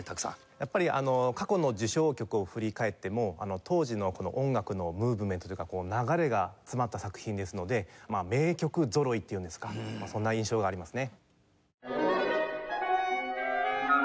やっぱり過去の受賞曲を振り返っても当時の音楽のムーブメントというか流れが詰まった作品ですので名曲ぞろいっていうんですかそんな印象がありますね。